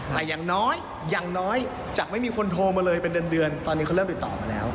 แต่อย่างน้อยอย่างน้อยจากไม่มีคนโทรมาเลยเป็นเดือนตอนนี้เขาเริ่มติดต่อมาแล้ว